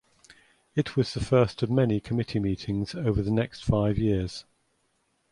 It was the first of many committee meetings over the next five years.